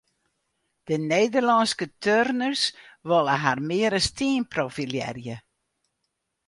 De Nederlânske turners wolle har mear as team profilearje.